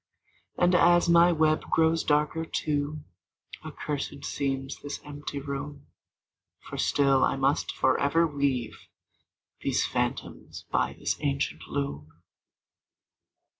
And as my web grows darker too, Accursed seems this empty room; For still I must forever weave These phantoms by this ancient loom.